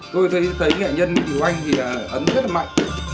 tôi thấy nghệ nhân thủy hoanh thì ấn rất là mạnh